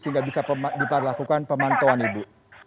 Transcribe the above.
sehingga bisa diperlakukan pemantauan ibu